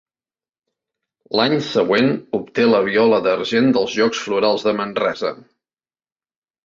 L'any següent obté la Viola d'Argent dels Jocs Florals de Manresa.